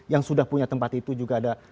yang sudah punya tempat itu juga ada